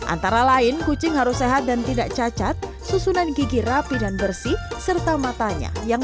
antara lain kucing harus sehat dan tidak cacat susunan gigi rapi dan bersih serta matanya yang